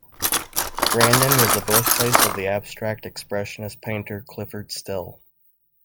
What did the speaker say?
Grandin was the birthplace of the abstract expressionist painter Clyfford Still.